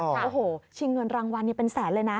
โอ้โหชิงเงินรางวัลเป็นแสนเลยนะ